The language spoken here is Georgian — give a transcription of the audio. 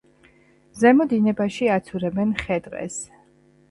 ზემო დინებაში აცურებენ ხე-ტყეს.